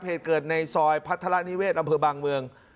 เหตุเกิดในซอยพัฒนานิเวศอำเภอบางเมือง